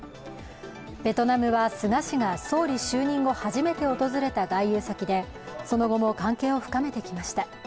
ベトナムは菅氏が総理就任後、初めて訪れた外遊先でその後も関係を深めてきました。